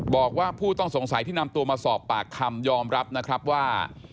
บอกว่าผู้ต้องสงสัยที่นำตัวมาสอบปากคำยอมรับนะครับว่า